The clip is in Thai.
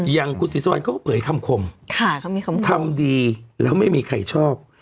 อย่างคุณศรีสุวรรณเขาก็เผยคำคมทำดีแล้วไม่มีใครชอบ